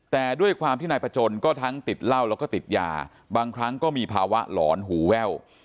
แต่ด้วยความที่นายประจนก็ทั้งติดเหล้าแล้วก็ติดยาบางครั้งก็มีภาวะหลอนหูแว่ว